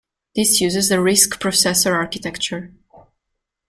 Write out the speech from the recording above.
This uses the Risc processor architecture.